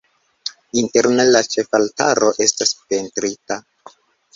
Interne la ĉefaltaro estas pentrita.